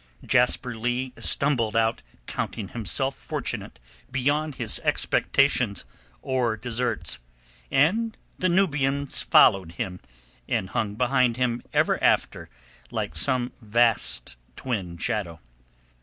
Jasper Leigh stumbled out counting himself fortunate beyond his expectations or deserts, and the Nubians followed him and hung behind him ever after like some vast twin shadow.